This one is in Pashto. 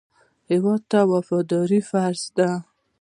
هېواد ته وفاداري فرض ده